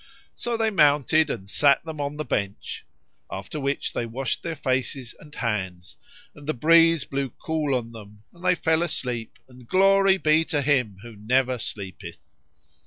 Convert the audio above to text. So they mounted and sat them down on the bench, after which they washed their faces and hands; and the breeze blew cool on them; and they fell asleep and glory be to Him who never sleepeth!